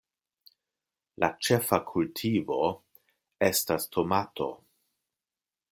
La ĉefa kultivo estas tomato.